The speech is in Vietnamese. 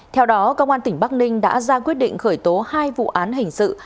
theo đó công an tỉnh bắc ninh đã ra quyết định khởi tố hai vụ án hình sự